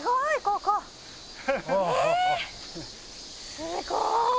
すごい！